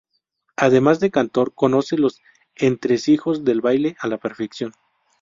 Además de cantaor, conoce los entresijos del baile a la perfección.